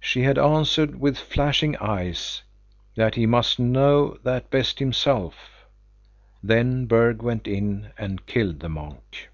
She had answered with flashing eyes that he must know that best himself. Then Berg went in and killed the monk.